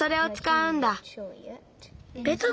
うん。